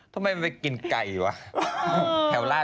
ทำไมไม่กินไก่นี่หว่า